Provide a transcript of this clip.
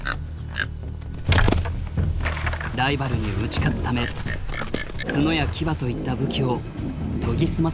ライバルに打ち勝つため角や牙といった武器を研ぎ澄ませてきました。